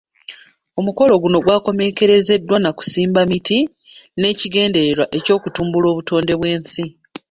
Omukolo guno gwakomekkerezeddwa nakusimba miti n'ekigendererwa eky'okutumbula obutonde bw'ensi.